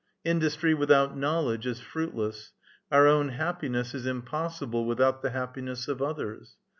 *' Industry without knowledge is fruitless ; our own happi ness is impossible without the happiness of others.